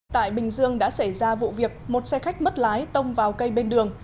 tại bình dương đã xảy ra vụ việc một xe khách mất lái tông vào cây bên đường